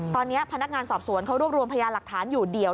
ตอนนี้พนักงานสอบสวนเขารวบรวมพยานหลักฐานอยู่เดี่ยว